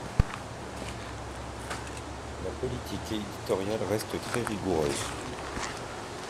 La politique éditoriale reste très rigoureuse.